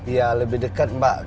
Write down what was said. ya lebih dekat mbak